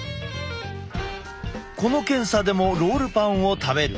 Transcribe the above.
この検査でもロールパンを食べる。